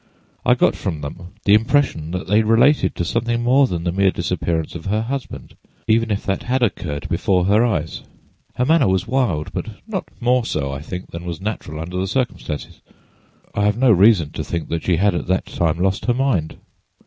I got from them the impression that they related to something more—than the mere disappearance of her husband, even if that had occurred before her eyes. Her manner was wild, but not more so, I think, than was natural under the circumstances. I have no reason to think she had at that time lost her mind.